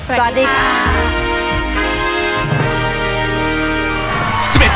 สวัสดีค่ะ